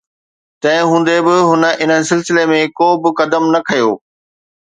تنهن هوندي به هن ان سلسلي ۾ ڪو به قدم نه کنيو